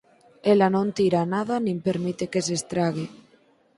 Ela non tira nada, nin permite que se estrague.